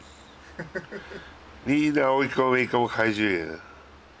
ハハハッ。